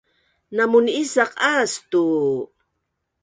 Namun’isaq aas tu?